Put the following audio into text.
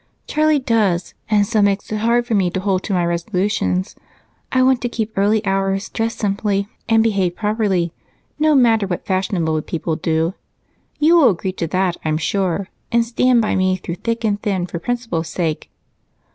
Charlie does, and so makes it hard for me to hold to my resolutions. I want to keep early hours, dress simply, and behave properly no matter what fashionable people do. You will agree to that, I'm sure, and stand by me through thick and thin for principle's sake."